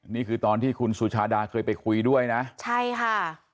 นี่คือตอนที่คุณสุชาดาเคยไปคุยด้วยนะใช่ค่ะ